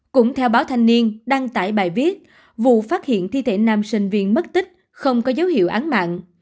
cũng theo báo thanh niên đăng tải bài viết vụ phát hiện thi thể nam sinh viên mất tích không có dấu hiệu án mạng